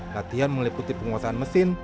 latihan mengeliputi penguasaan mesin